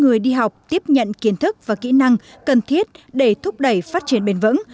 người đi học tiếp nhận kiến thức và kỹ năng cần thiết để thúc đẩy phát triển bền vững